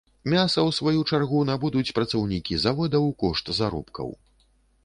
Мяса ў сваю чаргу набудуць працаўнікі завода ў кошт заробкаў.